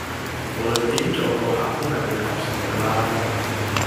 無論點做個客都係會投訴㗎啦